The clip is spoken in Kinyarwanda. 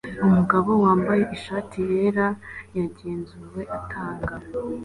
Umugabo wambaye ishati yera yagenzuwe atanga